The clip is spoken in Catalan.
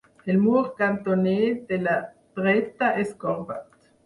El mur cantoner de la dreta és corbat.